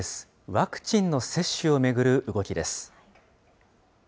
ワクチンの接種を巡る動きです。